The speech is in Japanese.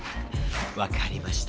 わかりました。